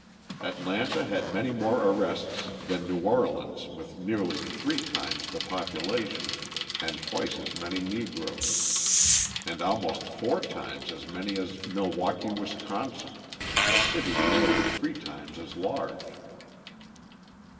Atlanta had many more arrests than New Orleans with nearly three times the population and twice as many Negroes; and almost four times as many as Milwaukee, Wisconsin, a city nearly three times as large.